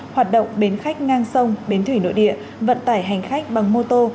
hoạt động bến khách ngang sông bến thủy nội địa vận tải hành khách bằng mô tô